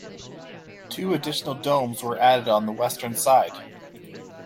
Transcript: Two additional domes were added on the western side.